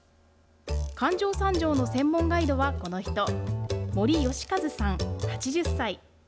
感状山城の専門ガイドはこの人、森喜一さん８０歳。